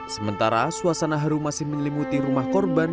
sementara suasana haru masih menyelimuti rumah korban